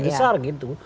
lebih besar gitu